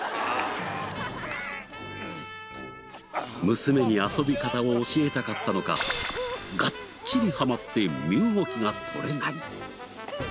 娘に遊び方を教えたかったのかがっちりはまって身動きが取れない。